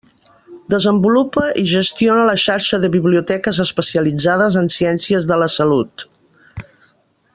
Desenvolupa i gestiona la Xarxa de Biblioteques Especialitzades en Ciències de la Salut.